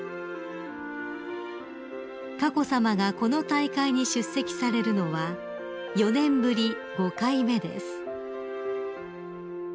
［佳子さまがこの大会に出席されるのは４年ぶり５回目です］